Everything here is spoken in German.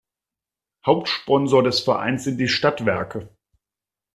Hauptsponsor des Vereins sind die Stadtwerke.